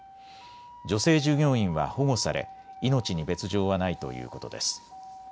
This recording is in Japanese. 女性従業員は保護され命に別状はないということです。